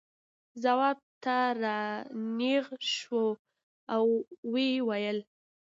ځواب ته را نېغ شو او یې وویل.